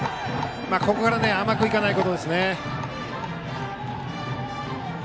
ここから甘く行かないことですね。